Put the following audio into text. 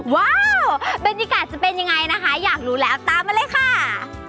ว้าวบรรยากาศจะเป็นยังไงนะคะอยากรู้แล้วตามมาเลยค่ะ